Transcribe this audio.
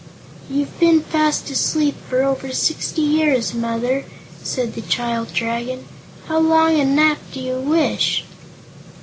"You've been fast asleep for over sixty years, Mother," said the child Dragon. "How long a nap do you wish?"